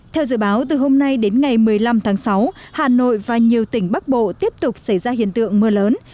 theo dự báo từ hôm nay đến ngày một mươi năm tháng sáu hà nội và nhiều tỉnh bắc bộ tiếp tục xảy ra hiện tượng mưa lớn